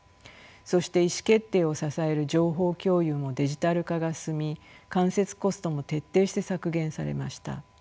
そして意思決定を支える情報共有もデジタル化が進み間接コストも徹底して削減されました。